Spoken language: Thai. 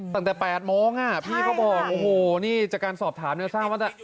ตั้งแต่แปดโมงฮะพี่เขาบอกโอ้โหนี่จากการสอบถามเนื้อซ่าว่าจะ